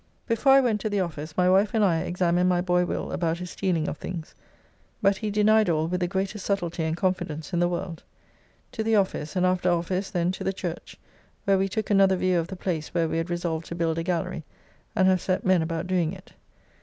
Before I went to the office my wife and I examined my boy Will about his stealing of things, but he denied all with the greatest subtlety and confidence in the world. To the office, and after office then to the Church, where we took another view of the place where we had resolved to build a gallery, and have set men about doing it.